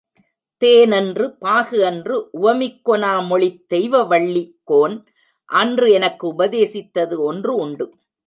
தேன் என்று பாகுஎன்று உவமிக் கொனாமொழித் தெய்வவள்ளி கோன், அன்று எனக்குஉப தேசித்தது ஒன்றுஉண்டு.